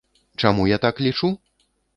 Чаму я так лічу?